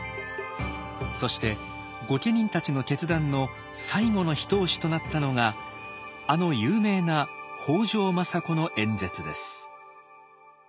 そして御家人たちの決断の最後の一押しとなったのがあの有名な北条政子の演説です。